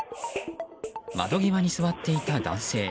窓際に座っていた男性。